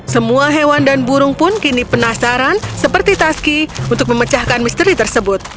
semua hewan dan burung pun kini penasaran seperti taski untuk memecahkan misteri tersebut